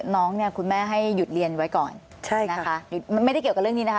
น้องเนี่ยคุณแม่ให้หยุดเรียนไว้ก่อนใช่นะคะหยุดมันไม่ได้เกี่ยวกับเรื่องนี้นะคะ